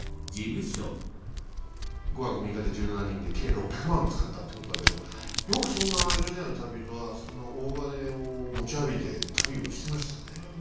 ５泊６日で１７人で計６００万使ったってことだけどよくそんな江戸時代の旅人はそんな大金を持ち歩いて旅をしてましたね。